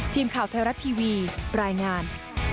ทีมข่าวไทยรัฐทีวีรายงาน